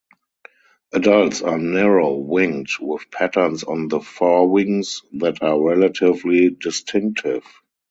Adults are narrow winged with patterns on the forewings that are relatively distinctive.